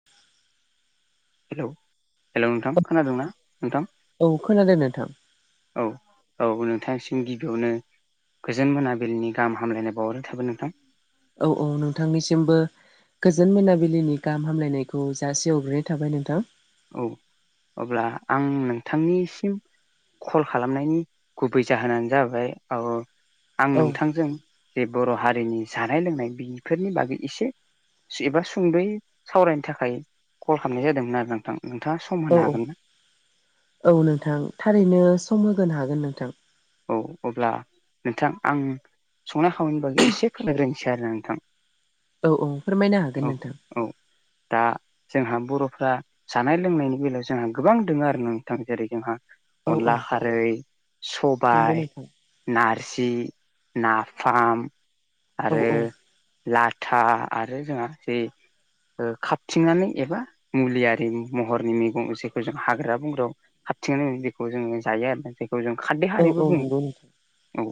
[inaudible] Hello hello नोंथां खोनादोंना नोंथां औ खोनादों नोंथां औ औ नोंथांसिम गिबियावनो गोजोन मोनाबिलिनि गाहामलायनाय बावरो थाबाय नोंथां औ औ नोंथांनिसिमबो गोजोन मोनाबिलिनि गाहाम हामलायनायखौ जासेवग्रोननाय थाबाय नोंथां औ अब्ला आं नोंथांनिसिम कल खालामनायनि गुबै जाहोनानो जाबाय औ आं औ नोंथांजों जे बर' हारिनि जानाय लोंनाय बेफोरनि बागै एसे एबा सुंद'ै सावरायनो थाखाय कल खालामनाय जादोंमोन आरो नोंथां नोंथाङा सम औ होनो हागोन ना औ नोंथां थारैनो सम होगोनो हागोन नोंथां औ अब्ला नोंथां आं संना खावनायनि बागै एसे फोनायग्रोनोसै आरोा नोंथां औ औ फोरमायनो हागोन औ नोंथां औ दा जोंहा बर'फ्रा जानाय लोंनायनि बेलायाव जोंहा गोबां दोङो आरो नोंथां जेरै जोंहा औ औ अनला खारै नंगौ सबायाइ नोंथां नारजि नाफाम औ आरो औ लाथा आरो जोंहा जे ओ खाबथिंनानै एबा मुलियारिि महरनि मैगं जखौ जों हाग्रा बंग्रायाव खाारथिंनो जखौ जोङो जायो आरो जखौ जों खाद औ खारैबो औ बुङो नंगौ नोंथां औ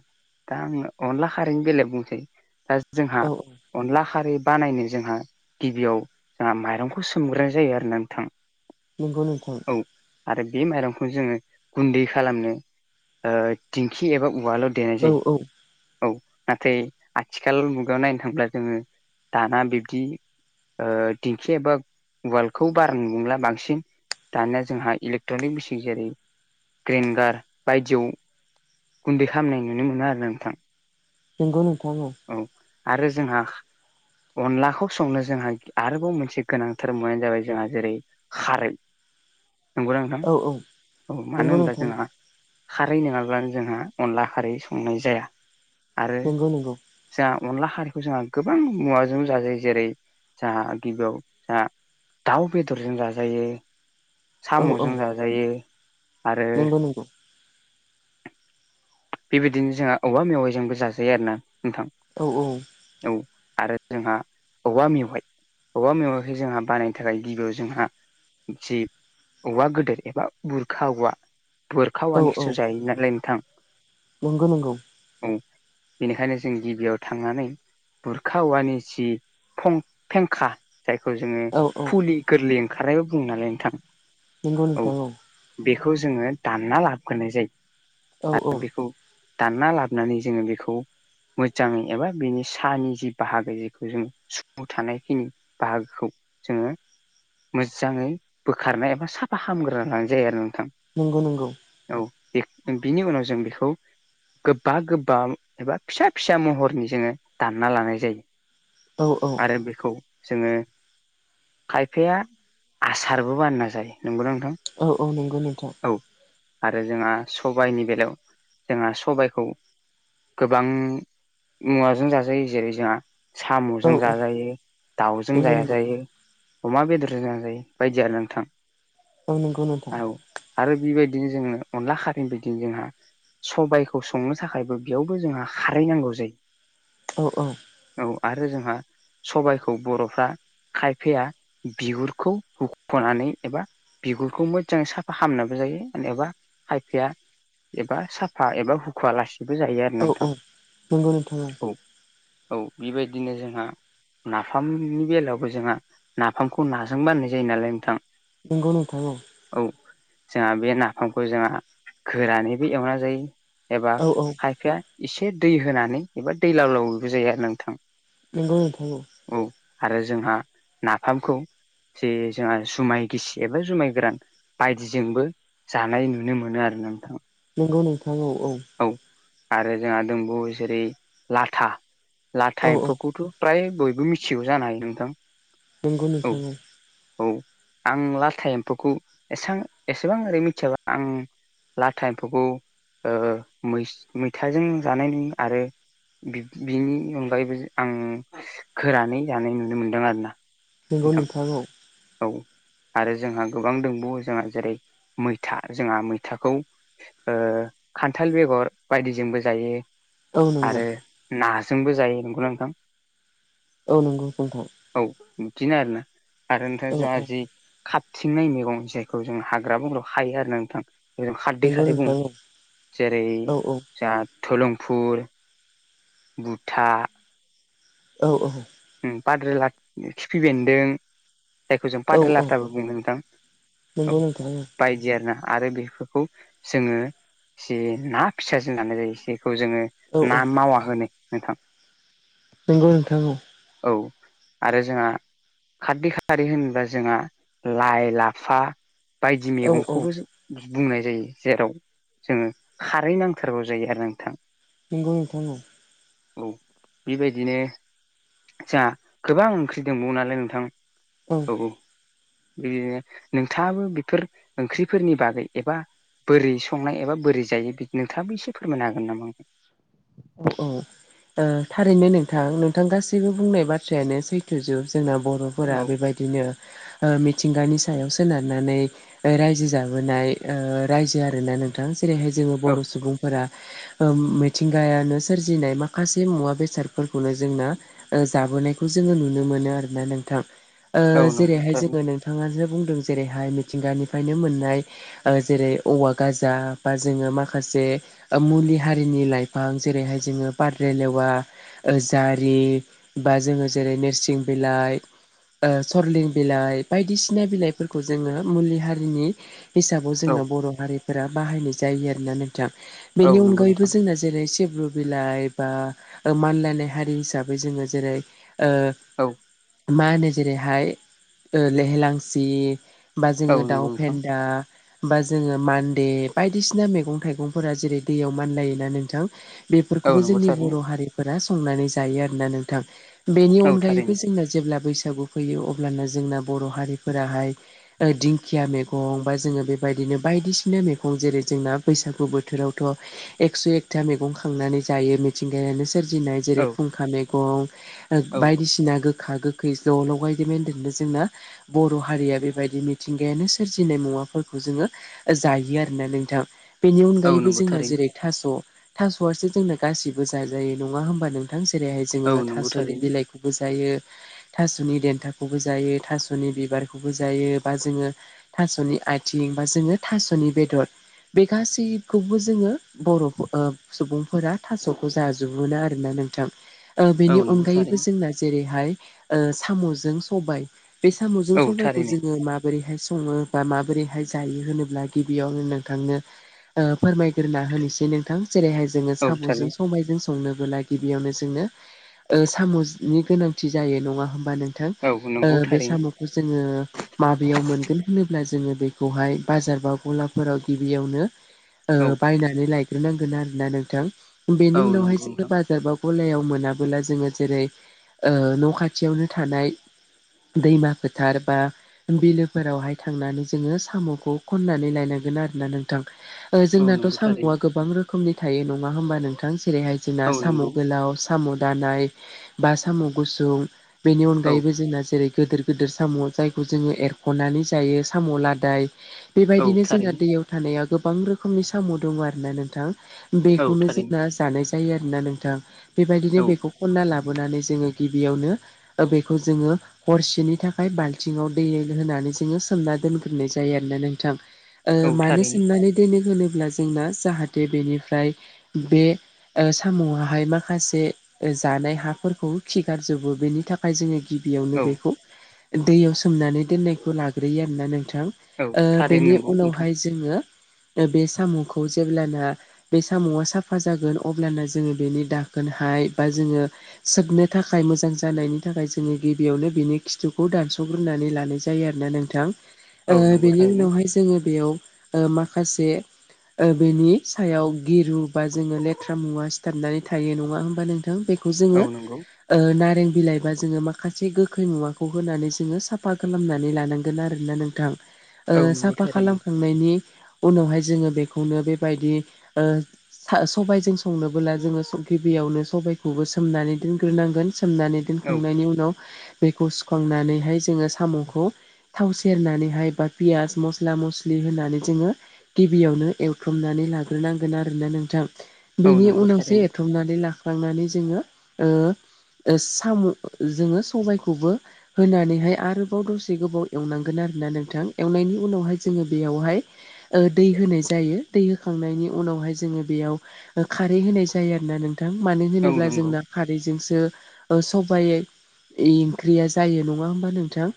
दा आङो अनला खारैनि बेलायाव बुंनोसै जोंहा औ औ अनला खारै बानायनो जोंहा गिबियाव जोंहा माइरंखौ सोमग्रोनाय जायो आरो ना नोंथां नंगौ नोंथां औ आरो बे माइरंखौ जोङो गुन्दै खालामनो ओ दिंखि एबा उवाल औ औ औ नाथाय आथिखाल मुगायाव नायनो थांब्ला जोङो दाना बिबदि दिंखि एबा उालखौ बार बुंला बांसिन दानिया जोंहा इलेक्ट्रनिक बुस जेरै ग्रगार बायदियाव गुन्दै खालामामनाय नुनो मोनो आरो नोंथां नोंगौ नोंथाङाव औ औ आरो जोंहा अनलाखौ संनो जोंहा आरोबाव मोनसे गोनांथार मुवानो जाबाय जोंहा जेरै खारै नंगौ ना नोंथां औ मानो होनबा जोंहा खारै नङाब्लानो जोंहा अनला खारै संनाय जाया आरो बेथ नंगौ जोंहा अनला हारिखौ जोंहा गोबां मुवाजों जाजायो जेरै जोंहा गिबियाव जोंहा दाउ बेदरजों जाजायो औ औ साम'जों जाजायो आरो नंगौ नगौ बेबायदिनो जोंहा औबवा मेवाइजोंबो जाजायो आरो ना नोंथां औ औ औ आरो जोंहा औवा मेवाइ औआ मेवायखौ जोंहा बानायनो थाखाय गिबियाव जोंहा जि औवा गोदोर एबा बुरखा औवा बुरखा औ औ औआनिखौसी जाय नालाय नोंथां नंगौ नंगौ औ बेनिखायनो जों गिबियाव थांनानै बुरखावानि जिं फं फेंखा जायखौ जोङो औ औ फुलि गोरलै ओंखारनायबो बुङो नालाय नोंथां नंगौ नींथां औ बेखौ जोङो दानना लाबग्रोनाय जायो। औ औ। बेखौ दानना लाबोनानै जोङो बेखौ मोजाङै एबा बेनि साहनि जि बाहागो जेखौ जों सु थानायखिनि बाहागोखौ जोङो मोजाङै बोखारनाय एबा साफा हामग्रोना लानाय जायो आरो नोंथां। नंगौ नंगौ औ बिनि उनाव जों बेखौ गोबा गोबा एबा फिसा फिसा महरनि जोङो दानना लानाय जायो। औ औ। आरो बेखौ जोङो खायफाया आसारबो बानायना जायो नोंगौ नोंथां? औ औ नंगौ नोंथां। औ आरो जोंहा सबाइनि बेलायाव जोंहा सबाइखौ गोबां मुवाजों जाजायो जेरै जोंहा औ साम'जों औ जाजायो दाउजों नंगौ नंगौ जाजायो। अमा बेदरजों जाजायो बायदि आरो नोंथां। औ नंगौ नोंथां। औ आरो बेबायदिनो जोङो अनला खारैनो बायदिनो जोंहा सबायखौ संनो थाखायबो बेयावबो जोंहा खारै नांगौ जायो। औ औ। औ आरो जोंहा सबाइखौ बर'फ्रा खायफाया बिगुरखौ हुख'नानै एबा बिगुरखौ मोजां सा फा खामनाबो जायो एबा खायफाया एबा साफा एबा हुख'आ लासि बो जायो आरो औ औ नोंथां नंगौ नोंथां औ औ बेबायदिनो जोंहा नाफामनि बेलायावबो जोंहा नाफामखौ नाजों बानायनाय जायो नालाय नोंथां। नंगौ नोंथां औ। औ। जोंहा बे नाफामखौ जोंहा गोरानैबो एवना जायो एबा औ औ खायफाया एसे दै होनानै एबा दै लावलावबो जायो आरो नोंथां। नंगौ नोंथां औ। औ आरो जोंहा नाफामखौ जे जोंहा जुमाय गिसि एबा जुमाय गोरान बायदिजोंबो जानाय नुनो मोनो आरो नोंथां। नंगौ नोंथां औ औ। औ आरो जोंहा दंबावो जेरै लाथा औ लाथा औ एम्फौखौथ' प्राय बयबो मिथिगौ जानो हायो नोंथां। नंगौ नोंथां औ औ आं लाथा एम्फौखौ एसां एसेबां ओरै मिथियाबा आं लाथा एम्फौखौ ओ मैथाजों जानाय नुयो आरो। बिनि अनगायैबो आं गोरानै जानाय नुनो मोनदों आरोना। नंगौ नोंथां औ। औ। आरो जोंहा गोबां दंबावो जोंहा जेरै मैथा जोंहा मैथाखौ खान्थाल बेगर बायदिजोंबो जायो औ नंगौ आरो। नाजोंबो जायो नंगौना नोंथां? औ नंगौ नोंथां। औ बिदिनो आरोना आरो नोंथां औ जोंहा औ जि खाबथिंनाय मैगं जायखौ जों हाग्रा बंग्रायाव खायो आरो ना नोंथाङ बेखौ जों खारदै नंगौ खारै नोंथां बुङो। औ जेरै औ जाङा धलंफुर बुथा औ औ बाद्रिलात खिफि बेन्दों जायखौ जों औ औ पाद्रेलाताबो बुङो नोंथाङ औ। नंगौ नोंथां बायदि आरो ना आरो बेफोरखौ जोङो जि ना फिसाजो नानाय जायो जेखौ जोङो औ औ ना मावा होनो नोंथां नोंगौ नोंथां औ औ आरो जोंहा खाददै खारै होनोबा जोंहा लाइ लाफा बायदि औ औ मैगंखौबो जो बुंनाय जायो जेराव जोङो खारै नांथारगौ जायो आरो नोंथां नंगौ नोंथां औ औ बेबायदिनो आत्सा गोबां ओंख्रि दंबावो नालाय नोंथां औ बिदिनो नोंथाङाबो बेफोर ओंख्रिफोरनि बागै एबा बोरै संनाय एबा बोरै जायो बि नोंथाङाबो एसे फोरमायनो हागोन नामा आं औ औ ओ थारैनो नोंथां नोंथां गासैबो बुंनाय बाथ्रायानो सैथोजोब जोंना बर' फोरा औ बेबायदिनो ओ मिथिंगानि सायाव सोनारनानै रायजो जाबोनाय ओ रायजो आरोना नों थां जेरैहाय जोङो औ बर' सुबुंफोरा ओम मिथिं गायानो सोरजिनाय माखासे मुवा बेसादफोरखौनो जोंना ओ जाबोनायखौ जोङो नुनो मोनो आरोना नोंथाङ ओ औ नंगौ जेरैहाय थारैनो जोङो नोंथ थाङासो बुंदों जेरैहाय मिथिंगानिफ्रायनो मोननाय जेरै औवा गाजा बा जोङो माखासे मुलि हारिनि लाइफ फां गोबां जेरैहाय जोङो पाद्रे लेवा ओ जारि बा जोङो जेरै नोरसिं बिलाइ ओ सरलिं बिलाइ बायदिसिना बिलाइफोरखौ जोङो मुलि हारिनि हिसाबाव औ जोंना बर' हारिफोरा बाहायनाय जायो आरोना नोंथां औ बेनि नंगौ अनगायैबो नोंथां जोंना जेरै सिब्रु बिलाइ बा मानलायनाय हारि हिसाबै जोङो जेरै औ ओ मा होनो जेरैहाय ओ लेहेलांसि बा औ जोङो दाउ नंगौ नोंथां फेन्दा बा जोङो मानदे बायदिसिना मैगं थाइगंफोरा जेरै दैयाव मानलायोना नोंथां औ बेफोरखौबो नंगौ जोंनि थारैनो बर' हारिफोरा संनानै जायो आरोना नोंथां बेनि औ अनगायैबो थारैनो जोंना जेब्ला बैसागु फैयो अब्लानो जोंना बर' हारिफोराहाय ओ दिंखिया मैगं बा जोङो बेबायदिनो बायदिसिना मैगं जेरै जोंना बैसागु बोथोरावथ' एकस' एकथा मैगं खांनानै जायो मिथिंगायानो सोरजिनाय औ जेरै फुंखा मैगं ओ औ बायदिसिना गोखा गोखै ज' ल' बायदिमोनन्दनो जोंना बर' हारिया बेबायदि मिथिंगायानो सोरजिनाय मुवाफोरखौ जोङो जायो आरोना नोंथां बेनि औ अनगायैबो नंगौ जोंना थारैनो जेरै थास' थास'आसो जोंना गासिबो जाजायो नङा होमबा नोंथाङ जेरैहाय जोङो औ नंगौ थास'नि थारैनो बिलाइखौ बो जायो थास'नि देन्थाखौबो जायो थास'नि बिबारखौबो जायो बा जोङो थास'नि आथिं बा जोङो थास'नि बेदर बे गासैखौबो जोङो बर' फो ओ सुबुंफोरा थास'खौ जाजोबो आरोना नोंथां ओ औ बेनि नंगौ अनगायैबो थारैनो। जोंना जेरैहाय ओ साम'जों सबाय बे साम'जों औ सबाइखौ थारैनो जोङो मा बोरैहाय सङो बा माबोरैहाय जायो होनोब्ला गिबियावनो नोंथांनो ओ फोरमायग्रोना होनोसै नोंथां जेरैहाय जोङो औ साब'जों थारैनो सबायजों संनोबोला गिबियावनो जोंनो साम'नि गोनांथि जायो नङा होमबा नों थां औ ओ नंगौ बे थारैनो साम'खौ जोङो माबेयाव मोनगोन होनोब्ला जोङो बेखौहाय बाजार बा गलाफोराव गिबियावनो ओ औ। बायनानै लायग्रोनांगोन आरोना नोंथां औ बेनि उनावहाय नंगौ जोङो नोंथां बाजार बा गलायाव मोनाबोला जोङो जेरै ओ न' खाथियावनो थानाय दैमा फोथार बा बिलोफोरावहाय थांनानै जोङो साम'खौ खननानै लायनांगोन आरोना नोंथां। ओ औ जोंनाथ' नंगौ साम'आ थारैनो गोबां रोखोमनि थायो नङा होमबा नोंथां जेरैहाय जोंना औ साम' नंगौ गोलाव, साम' दानाय बा साम' गुसुं बेनि औ अनगायैबो जोंना जेरै गोदोर गोदोर साम' जायखौ जोङो एरख'नानै जायो। साम' लादाय औ बेबायदिनो जोंना थारैनो दैयाव थानायाव गोबां रोखोमनि साम' दङ आरोना नोंथां। औ बेखौनो थारैनो जोंना जानाय जायो आरोना नोंथां। बेबायदिनो औ। बेखौ खनना लाबोनानै जोङो गिबियावनो बेखौ जोङो हरसेनि थाखाय बाल्थिंआव दै होनानै जोङो सोमना दोनग्रोनाय जायो आरोना नोंथां। ओ औ मानो थारैनो सोंनानै दोनो होनोब्ला जोंना जाहाथे बेनिफ्राय बे ओ साम'हाय माखासे जानाय हाफोरखौ खिगारजोबो बेनि थाखा खाय जोङो गिबियावनो औ बेखौ दैयाव सोमनानै दोननायखौ लाग्रोयो आरोना नोंथां। ओ औ थारैनो बेनि नंगौ नोंथां उनावहाय जोङो बे साम'खौ जेब्लाना बे साम'आ साफा जागोन अब्लाना जोङो बेनि दाखोनहाय बा जोङो सोबनो थाखाय मोजां जानायनि थाखाय जोङो गिबियावनो बिनि खिथुखौ दानस'ग्रोनानै लानाय जायो आरोना नोंथां। औ नंगौ बेनि थारैनो उनावहाय जोङो बेयाव माखासे बेनि सायाव गिरु बा जोङो लेथ्रा मुवा सिथाबनानै थायो नङा होमबा नोंथां बे खौ जोङो औ नंगौ। ओ नारें बिलाइबा जोङो माखासे गोखै मुवाखौ होनानै जोङो साफा खालामनानै लानांगोन आरोना नों थां। ओ औ नंगौ साफा थारैनो खालामखांनायनि उनावहाय जोङो बे खौनो बेबायदि ओ सबायजों संनोबोला जोङो गिबियावनो सबायखौबो सोमनानै दोनग्रोनांगोन सोमनानै औ दोनखांनायनि उनाव दैखौ सुखांनानैहाय जोङो साम'खौ थाव सेरनानैहाय बा पियास मस्ला मस्लि होनानै जोङो गिबियावनो एवथमनानै लाग्रोनांगोन आरोना नोंथां औ बेनि नंगौ उनावसो थारैनो ए थ्रमनानै लाख्लांनानै जोङो ओ साम' जोङो सबायखौबो होनानैहाय आरोबाव दसे गोबाव एवनांगोन आरोना नोंथां। एवनायनि उनावहाय जोङो बेयावहाय ओ दै होनाय जायो। दै होखांनायनि उनावहाय जोङो बेयाव खारै होनाय जायो आरोना नों थां। मानो औ होनोब्ला नंगौ जोंना खारैजोंसो ओ सबाइ ओंख्रिया जायो नङा होमबा नोंथां।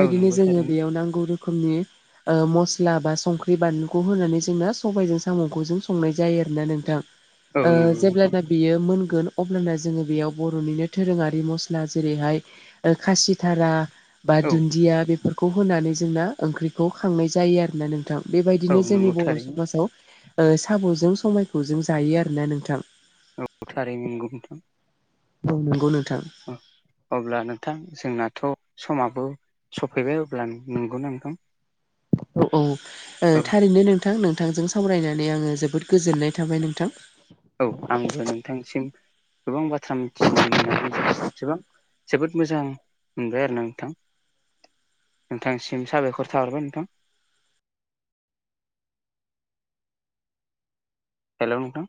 औ नंगौ जोङो थारैनो बेयाव नांगौ रोखोमनि आ मस्ला बा संख्रि बानलुखौ होनानै जोंना सबायजों सामखौजों संनाय जायो आरोना नोंथां औ ओ नंगौ नोंथां जेब्ला बेयो मोनगोन अब्लाना जोङो बेयाव बर'निनो दोरोङारि मस्ला जेरैहाय खासिथारा बा औ दुन्दिया बेफोरखौ होनानै जोंना ओंख्रिखौ खांनाय जायो आरोना नोंथां। औ बेबायदिनो नंगौ जोंनि बर' थारैनो समाजाव साम'जों समायखौजों जायो आरोना नोंथां। थारै नोंगौ नोंथां। औ नंगौ नोंथां। अब्ला नोंथां जोंनाथ' समाबो सफैबाय अब्ला नंगौ नोंथां। औ ओ औ थारैनो नोंथां नोंथांजों सावरायनानै आङो जोबोद गोजोननाय थाबाय नोंथां। औ आंबो नोंथांसिम गोबां बाथ्रा मिथिनो मोननानै जोब जोबां जोबोद मोजां मोनबाय आरोना नोंथां। नोंथांसिम साबायखर थाहरबाय नोंथां। हेल' नोंथा।